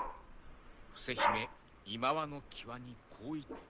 伏姫いまわの際にこう言った。